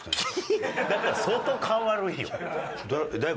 だったら相当勘悪いよ。